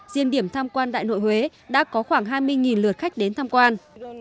diện điểm thăm quan đài nội huế đã có khoảng hai mươi lượt khách đến thăm quan